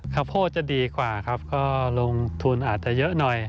ข้าวโพดจะดีกว่าครับก็ลงทุนอาจจะเยอะหน่อย